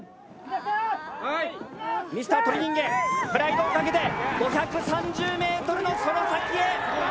ミスター鳥人間プライドを懸けて５３０ｍのその先へ。